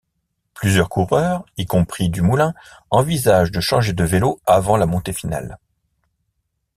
Plusieurs coureurs, y compris Dumoulin, envisagent de changer de vélo avant la montée finale.